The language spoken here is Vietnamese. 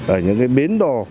ở những cái bến đỏ